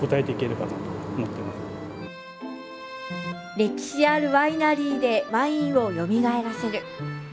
歴史あるワイナリーでワインをよみがえらせる。